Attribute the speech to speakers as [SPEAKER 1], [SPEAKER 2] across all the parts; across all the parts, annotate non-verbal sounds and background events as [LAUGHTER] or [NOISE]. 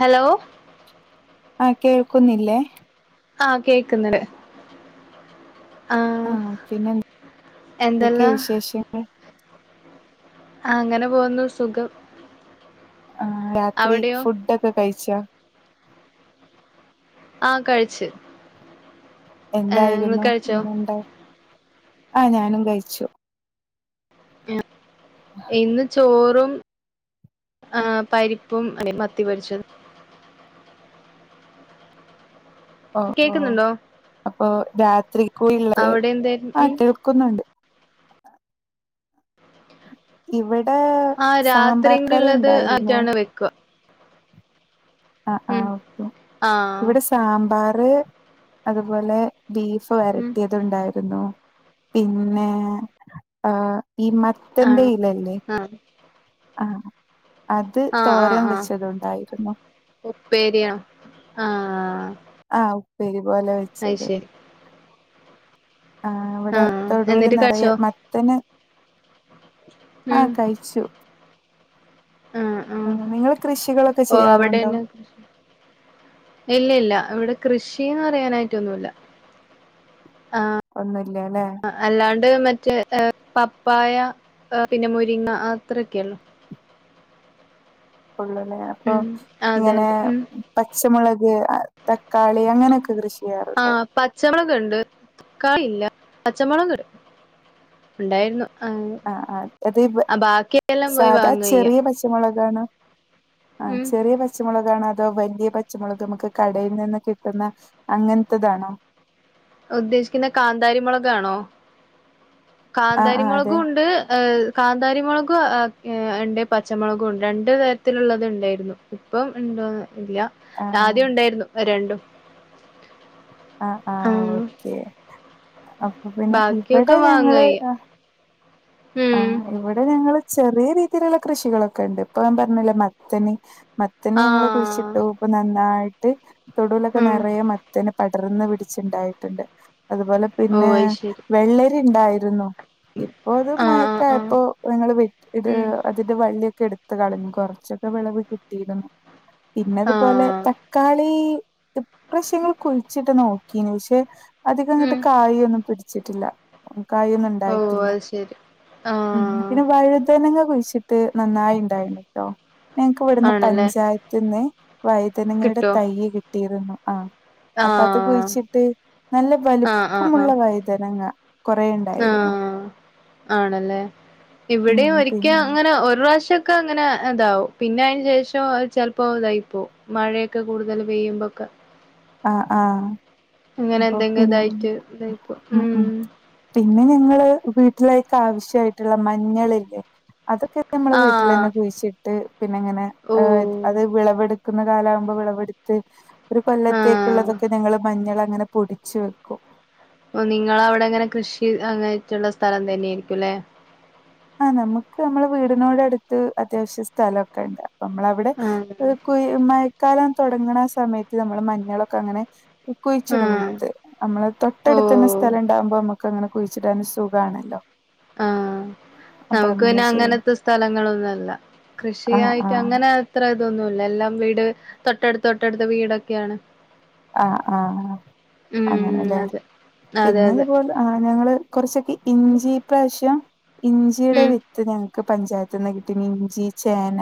[SPEAKER 1] Hello
[SPEAKER 2] ആഹ് കേൾക്കുന്നില്ലെ?
[SPEAKER 1] ആഹ് കേക്ക്ന്ന് ണ്ട്.
[SPEAKER 2] ആഹ് പിന്നെ
[SPEAKER 1] എന്തെല്ലാ
[SPEAKER 2] ന്തൊക്കെ വിശേഷങ്ങൾ?
[SPEAKER 1] ആഹ് ങ്ങനെ പോവുന്നു സുഖം.
[SPEAKER 2] ആഹ് രാത്രി
[SPEAKER 1] അവിടെയോ
[SPEAKER 2] ഫുഡൊക്കെ കഴിച്ചൊ?
[SPEAKER 1] ആഹ് കഴിച്ച് ഏഹ് ഇങ്ങള്
[SPEAKER 2] എന്തായിരുന്നു
[SPEAKER 1] കഴിച്ചോ
[SPEAKER 2] ഇന്ന് ഉണ്ടെ. ആഹ് ഞാനും കഴിച്ചു.
[SPEAKER 1] ഇന്ന് ചോറും ആഹ് പരിപ്പും, [UNINTELLIGIBLE] മത്തി പൊരിച്ചതും.
[SPEAKER 2] ഓഹ് ഓഹ്
[SPEAKER 1] കേക്കുന്നുണ്ടോ
[SPEAKER 2] അപ്പൊ രാത്രിക്കൂള്ളത്
[SPEAKER 1] അവിടെ എന്തായിരുന്നു
[SPEAKER 2] ആഹ്
[SPEAKER 1] ഉം
[SPEAKER 2] കേൾക്കുന്നുണ്ട്. ഇവടാ
[SPEAKER 1] ആഹ് രാത്രീങ്കൂടി ള്ളത് ആറ്റാണ് വെക്കാ
[SPEAKER 2] ആഹ്
[SPEAKER 1] ഉം
[SPEAKER 2] ആഹ് ഓക്കെ.
[SPEAKER 1] ആഹ്
[SPEAKER 2] ഇവ്ടെ സാമ്പാറ് അതുപോലെ ബീഫ്
[SPEAKER 1] ഉം
[SPEAKER 2] വെരട്ടിയതും ഉണ്ടായിരുന്നു. പിന്നേ ഏഹ് ഈ മ.... ത്തന്റെ ഇലല്ലെ
[SPEAKER 1] ആഹ്
[SPEAKER 2] ആഹ് അത്
[SPEAKER 1] ആഹ് ആഹ്
[SPEAKER 2] തോരം
[SPEAKER 1] ആഹ്
[SPEAKER 2] വെച്ചതുണ്ടായിരുന്നു.
[SPEAKER 1] ഉപ്പേരിയാ. ആഹ്
[SPEAKER 2] ആഹ് ഉപ്പേരി പോലെ വെ...
[SPEAKER 1] അയ് ശരി.
[SPEAKER 2] ആഹ് വടെ
[SPEAKER 1] ആഹ്
[SPEAKER 2] തൊടൂല്
[SPEAKER 1] എന്നിട്ട്
[SPEAKER 2] നറയെ
[SPEAKER 1] കഴിച്ചോ
[SPEAKER 2] മത്തന്
[SPEAKER 1] ഉം
[SPEAKER 2] ആഹ് കഴിച്ചു. ആഹ് നിങ്ങള് കൃഷികളൊക്കെ
[SPEAKER 1] ഓഹ്
[SPEAKER 2] ചെയ്യാറുണ്ടൊ?
[SPEAKER 1] അവിടെന്നെ ഇല്ല ഇല്ലാ. ഇവ്ടെ കൃഷീന്ന് പറയാനായിട്ട് ഒന്നുല്ല. ആഹ്
[SPEAKER 2] ഒന്നുല്ല്യ ല്ലേ.
[SPEAKER 1] അല്ലാണ്ട് മറ്റേ പപ്പായ ഏഹ് പിന്നെ മുരിങ്ങ ആഹ് അത്രൊക്കെയൊള്ളു.
[SPEAKER 2] ഉള്ളു ലെ. അപ്പൊ
[SPEAKER 1] ഉം അതെ
[SPEAKER 2] ങ്ങനെ
[SPEAKER 1] അതെ ഉം
[SPEAKER 2] പച്ചമുളക്, തക്കാളി അങ്ങനെയൊക്കെ കൃഷി ചെയ്യാറുണ്ടോ?
[SPEAKER 1] ആഹ് പച്ചമുളക് ണ്ട്. തക്കാളി ഇല്ല. പച്ചമുളക് ട്. ഉണ്ടായിരുന്നു. ആഹ്
[SPEAKER 2] ആഹ് അത്
[SPEAKER 1] അ ബാക്കിയെല്ലാം പോയി വാങ്ങാ ചെയ്യാ.
[SPEAKER 2] പച്ചമുളകാണൊ. ആഹ് ചെറിയ പ.... ച്ചമുളകാണൊ അതോ വല്ല്യ പച്ചമുളക് നമുക്ക് കടയിൽ നിന്ന് കിട്ടുന്ന അങ്ങൻത്തതാണൊ?
[SPEAKER 1] ഉദ്ദേശിക്കുന്ന കാന്താരിമുളക്ണോ
[SPEAKER 2] ആഹ് ആഹ്
[SPEAKER 1] കാന്താരിമളക്
[SPEAKER 2] അതെ
[SPEAKER 1] ഉണ്ട് ഏ കാന്താരിമുളകും ഉണ്ട് പച്ചമുളകും ഉണ്ട് രണ്ട് തരത്തിലുള്ളത് ഉണ്ടായിരുന്നു ഇപ്പം ഉണ്ടോ ഇയ
[SPEAKER 2] ആഹ്
[SPEAKER 1] ആദ്യം ഉണ്ടായിരുന്നു രണ്ടും
[SPEAKER 2] ആ ആ
[SPEAKER 1] ആഹ്
[SPEAKER 2] ഓക്കെ അപ്പൊ പിന്നെ ഇവിടെ
[SPEAKER 1] ബാക്കിയൊക്കെ
[SPEAKER 2] ഞങ്ങള്
[SPEAKER 1] വാങ്ങയ്യ ഉം
[SPEAKER 2] ആഹ ഇവിടെ ഞങ്ങള് ചെറിയ രീതിയിലുള്ള കൃഷികളൊക്കെ ഉണ്ട് ഇപ്പൊ ഞൻ പറഞ്ഞില്ല മത്തന് മത്തന് ഞങ്ങള്ൾ
[SPEAKER 1] ആഹ്
[SPEAKER 2] കുഴിച്ചിട്ടു ഇപ്പൊ നന്നായിട്ട് തൊടുിലൊക്കെ
[SPEAKER 1] ഉം
[SPEAKER 2] നിറയെ മുത്താനം പടർന്ന് പിടിച്ചുണ്ടായിട്ടുണ്ട് അതുപോലെ
[SPEAKER 1] ഓ
[SPEAKER 2] പിന്നെ
[SPEAKER 1] അത് ശരി
[SPEAKER 2] വെള്ളരി ഉണ്ടായിരുന്നു ഇപ്പൊ അത്
[SPEAKER 1] ആഹ് ആഹ്
[SPEAKER 2] മയക്കായപ്പോ നിങ്ങള് ഇ
[SPEAKER 1] ആഹ് ഉം
[SPEAKER 2] അതിന്റെ വള്ളിയൊക്കെ എടുത്ത് പത്ത് കളഞ്ഞഞ് കൊറച്ചൊക്കെ വിളവ് കിട്ടിയിരുന്നു പിന്നെതുപോലെ
[SPEAKER 1] ആഹ്
[SPEAKER 2] തക്കാളി ഇപ്രാശ്യങ്ങള് കുഴിച്ചിട്ട് നോക്കീന് പശെ അധികങ്ങട്ട്
[SPEAKER 1] ഉം
[SPEAKER 2] കായിയൊന്നും പിടിച്ചിട്ടില്ല
[SPEAKER 1] ഓ
[SPEAKER 2] കായൊന്നുണ്ടായിട്ടില്ല
[SPEAKER 1] അത് ശരി
[SPEAKER 2] ഉം
[SPEAKER 1] ആഹ്
[SPEAKER 2] പിന്നെ വഴിതനങ്ങ കുഴിച്ചിട്ട് നന്നായി ഉണ്ടായിണ്. ഞങ്ങക്കിവിട്ന്ന്
[SPEAKER 1] ആണല്ലേ
[SPEAKER 2] പഞ്ചായത്ത്ന്ന് വൈതനങ്ങടെ
[SPEAKER 1] കിട്ടോ
[SPEAKER 2] തൈ കി ആഹ് അപ്പത്
[SPEAKER 1] ആഹ്
[SPEAKER 2] കുഴിച്ചിട്ട് നല്ല
[SPEAKER 1] ആഹ് ആഹ്
[SPEAKER 2] വലിപ്പമുള്ള
[SPEAKER 1] ആഹ്
[SPEAKER 2] വൈതനങ്ങആയി കുറേണ്ട
[SPEAKER 1] ആഹ് ആണല്ലേ
[SPEAKER 2] ഉം
[SPEAKER 1] ഇവിടേ ഒരിക്കെ
[SPEAKER 2] പിന്നെ
[SPEAKER 1] അങ്ങനെ ഒരുറാശ്യം ക്കങ്ങനെതാവും പിന്നയിന് ശേഷം ചെലപ്പോ ഇതായിപോ മഴയൊക്കെ കൂടുതല് പെയ്യുമ്പൊക്കെ.
[SPEAKER 2] ആഹ് ആഹ്
[SPEAKER 1] ങ്ങനെ
[SPEAKER 2] അപ്പൊ പിൻ
[SPEAKER 1] ന്തെങ്കിലുതായിട്ട്
[SPEAKER 2] ഉം ഉം
[SPEAKER 1] മ്മ്.
[SPEAKER 2] പിന്നെ ഞങ്ങള് വീട്ടിലേക്കാവശ്യായിട്ടുള്ള മഞ്ഞളില്ലേ അതൊക്കെ നമ്മള് വീട്ടിലന്നെ
[SPEAKER 1] ആഹ്
[SPEAKER 2] കുഴിച്ചിട്ട് പിന്നങ്ങനെ ഏഹ്
[SPEAKER 1] ഓ
[SPEAKER 2] അത് വിളവെടു ക്കുന്ന കാലാവുമ്പോ വിളവെടുത്ത് ഒരു
[SPEAKER 1] ആഹ്
[SPEAKER 2] കൊല്ലത്തേക്കുള്ളതൊക്കെ ഞങ്ങള് മഞ്ഞളാ ങ്ങനെ പൊടിച്ച്‌ വെക്കും
[SPEAKER 1] ഓഹ് നിങ്ങളവിടങ്ങനെ കൃഷി അതായിട്ടുള്ള സ്ഥലം തന്നെയായിരിക്കുല്ലെ?
[SPEAKER 2] ആഹ് നമക്ക് നമ്മടെവീടിനോടടുത്ത് അത്യാവശ്യ സ്ഥലൊക്കെണ്ട് അപ്പ നമ്മള വിടെ
[SPEAKER 1] ആഹ്
[SPEAKER 2] കുയി മയക്കാലം തൊടങ്ങണാസമയത്ത് നമ്മള് മഞ്ഞളൊക്കങ്ങനെ കുയിച്ചിടും
[SPEAKER 1] ആഹ്
[SPEAKER 2] വിത്ത് നമ്മള്
[SPEAKER 1] ഓ
[SPEAKER 2] തൊട്ടടുത്തന്നെ സ്ഥലൊണ്ടാവുമ്പ നമക്കങ്ങനെ കുയി ച്ചിടാനും സുഖമാണല്ലോ
[SPEAKER 1] ആഹ്
[SPEAKER 2] [INAUDIBLE]
[SPEAKER 1] നമുക്ക് പിന്നെ
[SPEAKER 2] ചെയ്യും
[SPEAKER 1] അങ്ങനത്തെ സ്ഥലങ്ങളൊന്നുംല്ല
[SPEAKER 2] ആഹ്
[SPEAKER 1] കൃഷിയായിട്ട്
[SPEAKER 2] ആഹ്
[SPEAKER 1] അങ്ങനെ ഇത്ര ഇതൊന്നുമല്ല എല്ലാം വീട് തൊട്ടടുത്ത തൊട്ടടുത്ത വീടൊക്കെയാണ്
[SPEAKER 2] ആഹ് ആഹ
[SPEAKER 1] ഉം
[SPEAKER 2] അങ്ങനെല്ലേ
[SPEAKER 1] അതെ അതെ അതെ
[SPEAKER 2] പിന്നെതുപോലെ ആ് ഞങ്ങള് കുറച്ചൊക്കെ ഇഞ്ചിഇ പ്രവശ്യം
[SPEAKER 1] ഉം
[SPEAKER 2] ഇഞ്ചിയുടെവി ത്ത് ഞങ്ങൾക്ക് പഞ്ചായത്ത്ന്ന് കിട്ടി ഇഞ്ചി ചേന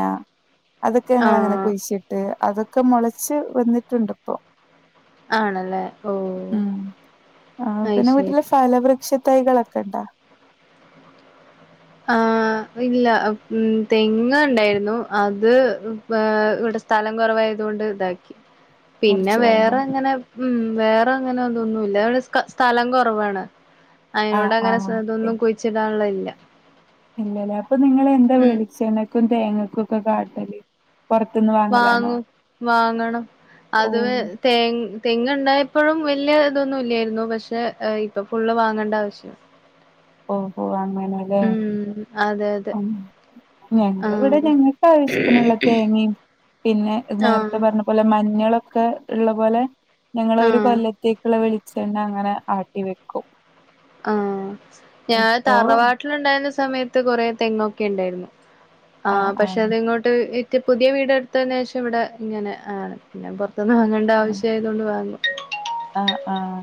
[SPEAKER 2] അതൊക്കെ ഞങ്ങ അങ്ങനെ
[SPEAKER 1] ആഹ്
[SPEAKER 2] കുയി ച്ചിട്ട് അതൊക്കെ മുളച്ച് വന്നിട്ടുണ്ട് ഇപ്പോ
[SPEAKER 1] ആണല്ലേ ഓ
[SPEAKER 2] ഉം ആ പിന്നെ
[SPEAKER 1] അയ്ശരി
[SPEAKER 2] വീട്ടില്ഫലവൃക്ഷ തൈകളൊക്കെ ഉണ്ടാ
[SPEAKER 1] ആ ഇല്ല ഉ തെങ്ങ ഉണ്ടായിരുന്നു അത് ഇവി സ്ഥലം കുറവായതുകൊണ്ട് ഇതാക്കി
[SPEAKER 2] [INAUDIBLE]
[SPEAKER 1] പിന്നെ
[SPEAKER 2] കളഞ്ഞോ
[SPEAKER 1] വേറെ എങ്ങനെ ഉം വേറെ അങ്ങനെ ഒതൊന്നുംല്ല സ്ഥലം കുറവാണ് അതിനോട്
[SPEAKER 2] ആഹ്
[SPEAKER 1] അങ്ങനെ
[SPEAKER 2] ആഹ്
[SPEAKER 1] അതൊന്നും കുഴിച്ചിടാനുള്ള ഇല്ല.
[SPEAKER 2] ഇല്ലലേ, അപ്പൊ നിങ്ങള് എന്താ വെളിച്ചെണ്ണക്കും തേങ്ങക്കും ഒക്കെ കാട്ടല് പുറത്തുന്ന് വാ
[SPEAKER 1] വാങ്ങും വാങ്ങണം
[SPEAKER 2] ഓ
[SPEAKER 1] അത് വെ തേങ് തെങ്ങ് ഇണ്ടായപ്പോഴും വലിയ ഇതൊന്നു ഇല്ലായിരുന്നു പക്ഷേ ഏഹ് ഇപ്പൊ ഫുള്ള് വാങ്ങണ്ട ആവശ്യ
[SPEAKER 2] ഓഹോ അങ്ങനെ
[SPEAKER 1] ഉം അതെ, അതെ.
[SPEAKER 2] ഞങ്ങള് ഇവിടെ
[SPEAKER 1] ആഹ്
[SPEAKER 2] ഞങ്ങൾക്ക് ആവശ്യത്തിനുള്ള തേങ്ങയും പിന്നെ നേരത്തെ
[SPEAKER 1] ആഹ്
[SPEAKER 2] പറഞ്ഞ പോ പോലെ മഞ്ഞളൊക്കെ ഇള്ള പോലെ ഞങ്ങള് ഒരു
[SPEAKER 1] ആഹ്
[SPEAKER 2] കൊല്ലത്തേക്കുള്ള വെളി ച്ചെണ്ണ അങ്ങനെ ആട്ടി വെക്കും.
[SPEAKER 1] ആഹ്, ഞങ്ങള്
[SPEAKER 2] ഇപ്പോ
[SPEAKER 1] തറവാട്ടിലുണ്ടായിരുന്ന സമയത്ത് കൊറെ തെങ്ങൊക്കെ ഇണ്ടായിരുന്നു. ആഹ് പക്ഷെ അത് ഇങ്ങോട്ട് വിറ്റ് പുതിയ വീടെ എടുത്തതിനു ശേഷം ഇവിടെ ഇങ്ങനെ ആണ് പിന്നെ പുറ ത്തുന്ന് വാങ്ങേണ്ട
[SPEAKER 2] ആഹ്
[SPEAKER 1] ആവശ്യമായതു കൊണ്ട് വാങ്ങും.
[SPEAKER 2] ആഹ്, ആഹ്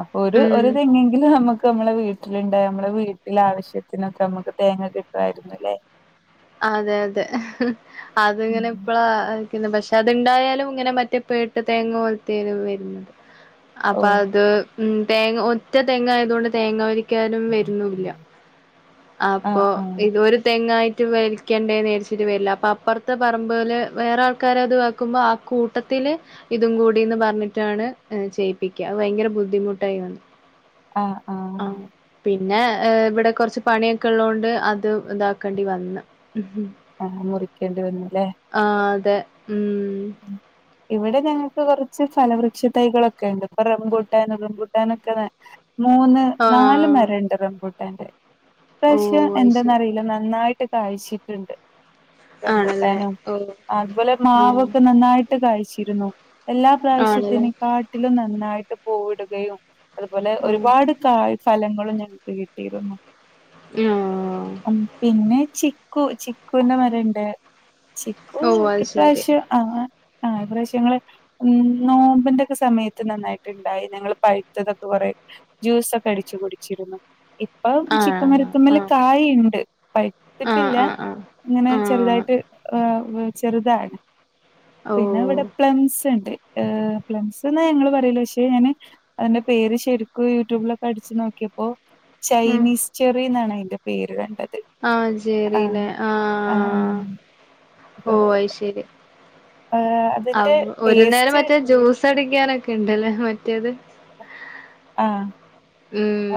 [SPEAKER 2] അപ്പൊ ഒരു
[SPEAKER 1] ഉം
[SPEAKER 2] ഒരു തെങ്ങെങ്കിലും നമ്മക്ക് നമ്മളെ വീ ട്ടിലുണ്ടായാൽ നമ്മളെ വീട്ടിലെ ആവശ്യത്തിനൊക്കെ നമുക്ക് തേങ്ങ കിട്ടുവായിരുന്നുല്ലേ.
[SPEAKER 1] അതെ അതെ ഹ് ഹ്
[SPEAKER 2] ഉം
[SPEAKER 1] അതിങ്ങനെ ഇപ്പളാ ആക്കിയത്, പക്ഷെ അത്ണ്ടായാലും ഇങ്ങനെ മറ്റേ പേട്ട് തേങ്ങ പോൽത്തേണ് വരുന്നത്. അപ്പൊ
[SPEAKER 2] ഓഹ്
[SPEAKER 1] അത് ഉം, തേങ്ങ ഒറ്റ തെങ്ങ് ആയതുകൊണ്ട് തേങ്ങ വലി ക്കാനും വരുന്നൂല്ല, അപ്പൊ
[SPEAKER 2] ആഹ് ആഹ്
[SPEAKER 1] ഇത് ഒരു തെങ്ങായി റ്റ് വലിക്കേണ്ടേന്ന് വിചാരിച്ചിട്ട് വരില്ല. അപ്പ അപ്പുറത്തെ പറമ്പില് വേറെ ആൾക്കാരെ അത് ആക്കുമ്പോൾ ആ കൂട്ടത്തില് ഇതും കൂടിന്ന് പറഞ്ഞിട്ടാണ് ചെയ്യിപ്പിക്ക്, അത് ഭയങ്കര ബുദ്ധിമുട്ടായി വന്നു. ആഹ്, പിന്നെ ഇവിടെ കുറച്ച് പണിയൊക്കെ ഉള്ളതുകൊണ്ട് അത് ഇതാക്ക ണ്ടി വന്ന്.
[SPEAKER 2] ആഹ്, മുറിക്കേണ്ടി വന്നു അല്ലേ.
[SPEAKER 1] ആഹ് അതെ ഉം.
[SPEAKER 2] ഉ ഇവിടെ ഞങ്ങൾക്ക് കുറച്ച് ഫലവൃക്ഷ തൈകളൊക്കെ ഇണ്ട്, ഇപ്പൊ റംമ്പൂട്ടാൻ റംമ്പൂട്ടാനൊക്കെ മൂന്ന് നാല്
[SPEAKER 1] ആ
[SPEAKER 2] മരണ്ട് റംബൂട്ടാന്റെ
[SPEAKER 1] ഓ
[SPEAKER 2] ഇപ്രാവശ്യം
[SPEAKER 1] അത് ശരി
[SPEAKER 2] എന്തെന്നറിയില്ല നന്നായി ട്ട് കാഴ്ച്ചിട്ടുണ്ട്
[SPEAKER 1] ആണല്ലേ
[SPEAKER 2] റംബൂട്ടാനും
[SPEAKER 1] ഓ
[SPEAKER 2] അതുപോലെ
[SPEAKER 1] ആ
[SPEAKER 2] മാവ് നന്നായിട്ട് കായിച്ചിരുന്നു, എല്ലാ
[SPEAKER 1] ആണല്ലേ
[SPEAKER 2] പ്രാവശ്യത്തിനെക്കാ ട്ടിലും നന്നായിട്ട് പൂവ്ട്കയും അതുപോലെ
[SPEAKER 1] ആ
[SPEAKER 2] ഒരുപാട് കായ് ഫലങ്ങളും ഞങ്ങൾക്ക് കിട്ടിയിരുന്നു.
[SPEAKER 1] ആഹ്.
[SPEAKER 2] ആഹ്, പിന്നെ ചിക്കു ചിക്കൂന്റെ മരണ്ട്. ചി ക്കൂ
[SPEAKER 1] ഓ അത് ശരി
[SPEAKER 2] ഇപ്രാവശ്യം ആഹ്, ആഹ് ഇപ്രാവശ്യം ഞങ്ങള് ഉം നോമ്പിന്റെക്കെ സമയത്ത് നന്നായിട്ട്ണ്ടായി ഞങ്ങള് പഴുത്തതൊക്കെ കൊറെ ജ്യൂസൊക്കെ അടിച്ചു കുടിച്ചിരുന്നു. ഇപ്പം
[SPEAKER 1] ആ
[SPEAKER 2] ചിക്കു മര ത്ത്മ്മല്
[SPEAKER 1] ആ
[SPEAKER 2] കായുണ്ട്,
[SPEAKER 1] ആഹ്
[SPEAKER 2] പഴുത്തിട്ടില്ല.
[SPEAKER 1] ആഹ് ആഹ്
[SPEAKER 2] ഇങ്ങനെ
[SPEAKER 1] ആഹ്
[SPEAKER 2] ചെറുതായിട്ട് ഏഹ്‌ വെ ചെറുതാണ്. പിന്നെ ഇവിടെ
[SPEAKER 1] ഓഹ്
[SPEAKER 2] പ്ലംസ് ഇണ്ട്, ഏഹ് പ്ലംസ്ന്നാ ഞങ്ങള് പറയല് പക്ഷെ ഞാന് അതിന്റെ പേര് ശരിക്ക്ക് യൂട്യൂബിലൊക്കെ അടിച്ചു നോക്കിയപ്പോൾ
[SPEAKER 1] ഉം
[SPEAKER 2] ചൈനീസ് ചെറി എന്നാണ് അയിന്റെ പേര് കണ്ടത്.
[SPEAKER 1] ആഹ്
[SPEAKER 2] ആ
[SPEAKER 1] ചെറീല്ലേ
[SPEAKER 2] ആ
[SPEAKER 1] ആഹ്
[SPEAKER 2] ആ അത്
[SPEAKER 1] ഓഹ്, അഹ് ശരി
[SPEAKER 2] ഏഹ് അതിന്റെ
[SPEAKER 1] അപ്പൊ ഒരു നേരം
[SPEAKER 2] ടേസ്റ്റ്
[SPEAKER 1] മറ്റേ ജ്യൂസ് സടിക്കാനൊക്കെ ഇണ്ടല്ലേ മറ്റേത്.
[SPEAKER 2] ആഹ്,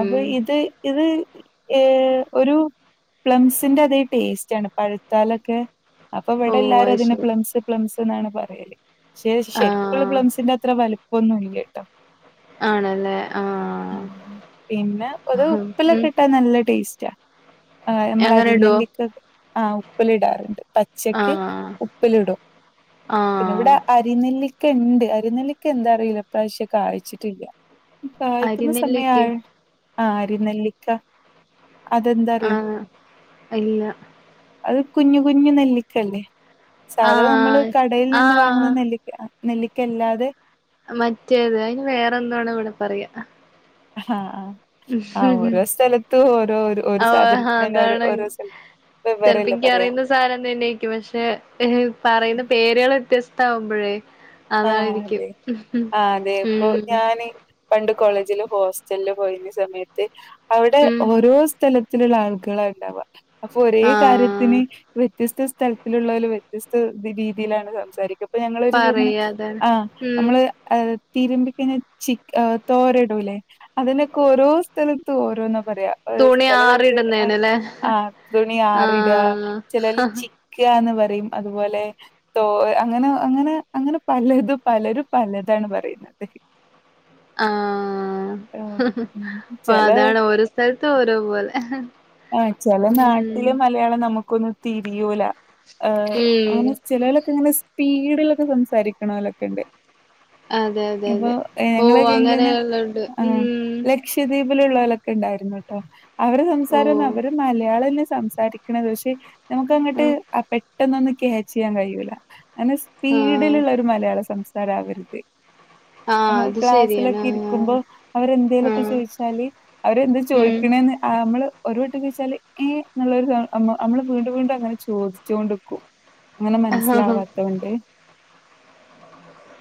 [SPEAKER 2] അപ്പൊ ഇത്, ഇത് ഏഹ്, ഒരു പ്ലംസിന്റെ അതേ ടേസ്റ്റ് ആണ് പഴുത്താലൊക്കെ. അപ്പൊ ഇവിടെ
[SPEAKER 1] ഓഹ്
[SPEAKER 2] എല്ലാരും
[SPEAKER 1] അത്
[SPEAKER 2] അതിന്
[SPEAKER 1] ശരി
[SPEAKER 2] പ്ലംസ് പ്ലംസ് എന്നാണ് പറയല് പക്ഷെ ശരിക്കുള്ള
[SPEAKER 1] ആഹ്
[SPEAKER 2] പ്ലംസിന്റെ അത്ര വലിപ്പമൊന്നുല്ലട്ടോ
[SPEAKER 1] ആണല്ലേ
[SPEAKER 2] ഊം
[SPEAKER 1] ആഹ്
[SPEAKER 2] പിന്നെ ഒരു
[SPEAKER 1] ഉം
[SPEAKER 2] ഉപ്പിലൊക്കെ ഇട്ടാ നല്ല ടേസ്റ്റാ ആഹ് നമ്മളെ
[SPEAKER 1] അങ്ങനെ ഇടുവോ
[SPEAKER 2] അരിനെല്ലിക്ക ആഹ് ഉപ്പില് ഇടാറുണ്ട് പച്ചക്ക്
[SPEAKER 1] ആഹ്
[SPEAKER 2] ഉപ്പിലിടും പിന്നെ
[SPEAKER 1] ആഹ്
[SPEAKER 2] ഇവിടെ അരിനെല്ലിക്കണ്ട് അരിനെിക്ക എന്താറിയൂല ഇപ്രാവശ്യം കാഴിച്ചിട്ടില്ല ഈ കായ്ക്കുന്ന
[SPEAKER 1] അരിനെല്ലിക്കയോ
[SPEAKER 2] സമയം ആ ആരി നെല്ലിക്ക അതെന്താറി
[SPEAKER 1] ആഹ് ഇല്ല
[SPEAKER 2] അത് കുഞ്ഞ് കുഞ്ഞ് നെല്ലിക്കല്ലേ സാധാണ നമ്മള്
[SPEAKER 1] ആഹ്
[SPEAKER 2] കടയിൽ നിന്ന് വാങ്ങുന്ന
[SPEAKER 1] ആഹ്
[SPEAKER 2] നെല്ലിക്ക നെല്ലിക്കല്ലാതെ
[SPEAKER 1] മറ്റേത് അതിന് വേറെ എന്തോ ആണ് ഇവിടെ പറയാ
[SPEAKER 2] ആഹ് ആഹ് ആ
[SPEAKER 1] ഉം
[SPEAKER 2] ഓരോ സ്ഥലത്തും ഓരോ
[SPEAKER 1] ആഹ്
[SPEAKER 2] സാധനത്തിന തന്നെ ഓരോ സ്ഥല വെവ്വേറെ അല്ലെ
[SPEAKER 1] നിക്ക് അറിയുന്ന സാധനം തന്നെയാരിക്കും പക്ഷെ പറയുന്ന പേരുകൾ വ്യത്യസ്ത ആവുമ്പഴേ
[SPEAKER 2] ആഹ് അതെ ആ അതെ ഇപ്പൊ
[SPEAKER 1] ഉം
[SPEAKER 2] ഞാന് പണ്ട് കോളേജില് ഹോസ്റ്റലില് പോയിരുന്ന സമയത്ത് അവിടെ
[SPEAKER 1] ഉം
[SPEAKER 2] ഓരോ തലത്തിലുള്ള ആളുകളാ ഇണ്ടാവാ അപ്പൊ ഒരേ
[SPEAKER 1] ആഹ്
[SPEAKER 2] കാര്യത്തിന് വ്യത്യസ്ത സ്ഥലത്തിലുള്ളവും വ്യത്യസ്ത രീതിയിലാണ് സംസാരിക്കുക അപ്പൊ ഞങ്ങളൊരു [UNINTELLIGIBLE]
[SPEAKER 1] പറയാ അതാണ്
[SPEAKER 2] ആഹ്
[SPEAKER 1] ഉം
[SPEAKER 2] നമ്മള് തിരുമ്പിക്കഴിഞ്ഞ ചിക്ക് തോര ഇടൂല്ലേ അതിനൊക്കെ ഓരോ സ്ഥലത്തും ഓരോന്നാ പറയാ ഒരു
[SPEAKER 1] തുണി
[SPEAKER 2] ചില സ്ഥലത് ആഹ്
[SPEAKER 1] ആറിടുന്നേനല്ലേ
[SPEAKER 2] ആഹ് തുണി ആറിട
[SPEAKER 1] ആഹ്
[SPEAKER 2] ചെലോല് ചി ക്കാന്ന് പറയും അതുപോലെ തോ അങ്ങനെ അങ്ങനെ അങ്ങനെ പലതും പലരും പലതാണ് പറയുന്നത്.
[SPEAKER 1] ആഹ്
[SPEAKER 2] ആഹ് ഉം
[SPEAKER 1] പ്പ
[SPEAKER 2] ചെല
[SPEAKER 1] അതാണ് ഒരോ സ്ഥലത്ത് ഒരോപോലെ
[SPEAKER 2] ആഹ് ചില നാട്ടില് മലയാളം നമുക്കൊന്നും തിരിയൂല ഏഹ്
[SPEAKER 1] ഉം
[SPEAKER 2] അയ്ന് സ് ചെലോലൊക്കെങ്ങനെ സ്പീഡിലൊക്കെ സംസാരിക്കുന്നവ രൊക്കെണ്ട്.
[SPEAKER 1] അതെ അതെ
[SPEAKER 2] ഇപ്പൊ
[SPEAKER 1] അതെ ഓ
[SPEAKER 2] ഞങ്ങളൊക്കെ എങ്കിലുന്നെ
[SPEAKER 1] അങ്ങനെയുള്ളണ്ട്
[SPEAKER 2] ആഹ്
[SPEAKER 1] ഉം
[SPEAKER 2] ലക്ഷദ്വീപിലുള്ളവലൊക്കെ ഉണ്ടായിരുന്നുട്ടോ അവരെ സംസാരം
[SPEAKER 1] ഓഹ്
[SPEAKER 2] ഓര് മലയാളന്നെ സംസാരിക്കണത് പക്ഷെ നമുക്ക്ങ്ങട്ട്
[SPEAKER 1] ഉം
[SPEAKER 2] അ പെട്ടന്നൊന്നും ക്യാച്ച് ചെയ്യാൻ കഴിയൂല അങ്ങനെ
[SPEAKER 1] ആഹ്
[SPEAKER 2] സ്പീഡിലുള്ള ഒരു മലയാള സംസാര അവരത്
[SPEAKER 1] ആഹ്
[SPEAKER 2] അപ്പ
[SPEAKER 1] അത് ശരിയാണ്
[SPEAKER 2] ക്ലാസിലൊക്കെ
[SPEAKER 1] ആഹ്
[SPEAKER 2] ഇരിക്കുമ്പോ അവരെന്തേലുമൊക്കെ
[SPEAKER 1] ആഹ്
[SPEAKER 2] ചോയ്ച്ചാല് അവരെന്താ
[SPEAKER 1] ഉം
[SPEAKER 2] ചോയ്ക്കണന്ന് നമ്മള് ഒരു വട്ട ചോദിച്ചാല് ഏ എന്നുള്ളരു സൗ നമ്മള് വീണ്ടും വീണ്ടും അങ്ങനെ ചോദിചോണ്ട്ക്കും അങ്ങനെ
[SPEAKER 1] ആഹ്
[SPEAKER 2] മനസ്സിലാവാത്തൊണ്ട്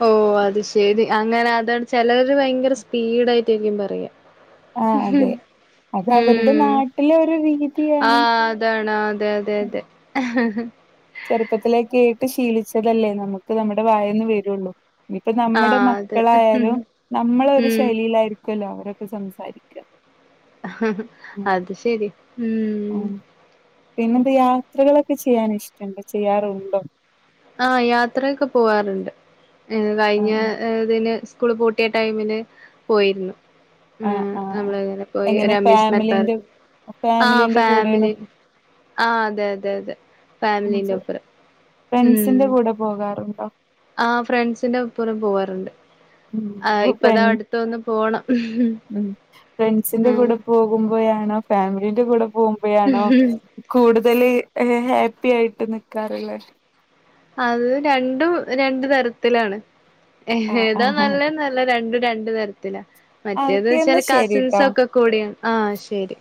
[SPEAKER 1] ഓഹ് അത് ശരി അങ്ങനെ അതാണ് ചിലര് ഭയങ്കര സ്പീഡ് ആയിട്ടായിരിക്കും പറയ
[SPEAKER 2] ആഹ്
[SPEAKER 1] ഉഹ്
[SPEAKER 2] അതെ അത് അവരുടെ നാട്ടിലെ ഒരു രീതിയാണ്
[SPEAKER 1] ആഹ് അതാണ് അതെ അതെ അതെ ആഹ്
[SPEAKER 2] ചെറുപ്പത്തിലേ കേട്ട് ശീലിച്ചതല്ലേ നമുക്ക് നമ്മുടെ വായേന്ന് വരുള്ളൂ ഇപ്പ നമ്മുടെ
[SPEAKER 1] അതെ
[SPEAKER 2] മക്കളായാലും നമ്മളൊരു
[SPEAKER 1] ഉം
[SPEAKER 2] ശൈലിയിലായിരിക്കോല്ലോ അവരൊക്കെ സംസാരിക്ക
[SPEAKER 1] അത് ശരി ഉം
[SPEAKER 2] പിന്നെന്ത് യാത്രകളൊക്കെ ചെയ്യാൻ ഇഷ്ടണ്ടോ? ചെയ്യാറുണ്ടോ?
[SPEAKER 1] ആഹ് യാത്രയൊക്കെ പോവാറുണ്ട് ഞങ്ങള് കഴിഞ്ഞതിന് സ്കൂള് പൂട്ടിയ ടൈമിന് പോയിരുന്നു ആഹ് നമ്മളങ്ങനെ പോയി ഒരു
[SPEAKER 2] എങ്ങനെ
[SPEAKER 1] അമ്യൂസ്മെന്റ്
[SPEAKER 2] ഫാമിലിന്റെ
[SPEAKER 1] പാർക്ക് ആ
[SPEAKER 2] ഫാമിലിന്റെ കൂടെയാണ്
[SPEAKER 1] ഫാമിലി ആഹ് അതെ അതെ അതെ ഫാമിലീന്റെ ഒപ്പരം
[SPEAKER 2] ഫ്രണ്ട്സിന്റെ കൂടെ പോകാറുണ്ടോ
[SPEAKER 1] ആ ഫ്രണ്ട്സിന്റെ ഒപ്പരും പോവാറുണ്ട്
[SPEAKER 2] ഉം
[SPEAKER 1] ആ
[SPEAKER 2] അപ്പൊ
[SPEAKER 1] ഇപ്പതാ
[SPEAKER 2] ഫ്രണ്ട്
[SPEAKER 1] അടുത്തൊന്ന് പോണം
[SPEAKER 2] ഉം ഫ്രണ്ട്സിന്റെ കൂടെ പോകുമ്പഴാണോ ഫാമിലിന്റെ കൂടെ പോകുമ്പോ ആണോ
[SPEAKER 1] ആഹ്
[SPEAKER 2] കൂടുതൽ ഹാപ്പി ആയിട്ട് ന നിക്കാറിള്ളത്
[SPEAKER 1] അത് രണ്ടും രണ്ടു തരത്തിലാണ്
[SPEAKER 2] ആഹ്
[SPEAKER 1] ഏതാ
[SPEAKER 2] ആഹ്
[SPEAKER 1] നല്ല രണ്ടും രണ്ട് തരത്തില
[SPEAKER 2] ആ
[SPEAKER 1] മറ്റേന്ന്
[SPEAKER 2] ഓക്കെ എന്നാ
[SPEAKER 1] വച്ചാല്
[SPEAKER 2] ശരിട്ടോ
[SPEAKER 1] കസിൻസൊക്കെ കൂടിയാണ് ആഹ് ശരി